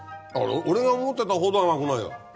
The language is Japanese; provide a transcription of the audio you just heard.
俺が思ってたほど甘くない。